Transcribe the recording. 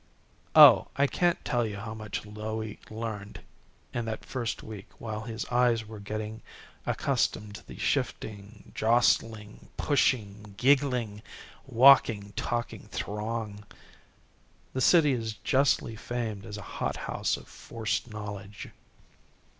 Oh, I can't tell you how much Louie learned in that first week while his eyes were getting accustomed to the shifting, jostling, pushing, giggling, walking, talking throng. The city is justly famed as a hot house of forced knowledge.